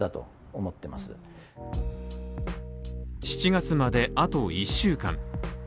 ７月まであと１週間。